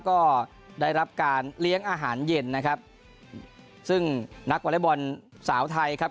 ก็ได้รับการเลี้ยงอาหารเย็นนะครับซึ่งนักวอเล็กบอลสาวไทยครับ